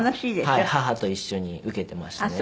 母と一緒に受けていましたね。